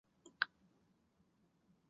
更多相关的性质及证明在。